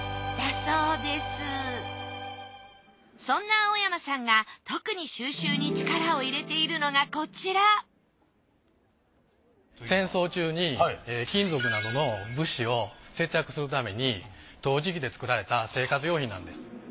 そんな青山さんが特に収集に力を入れているのがこちら戦争中に金属などの物資を節約するために陶磁器で作られた生活用品なんです。